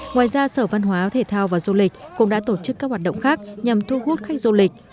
ngoài ra sở văn hóa thể thao và du lịch cũng đã tổ chức các hoạt động khác nhằm thu hút khách du lịch